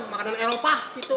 makanan elpah gitu